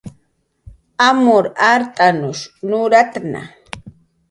Amur art'anush nuratna